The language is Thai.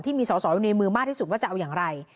มีสอสออยู่ในมือมากที่สุดว่าจะเอาอย่างไร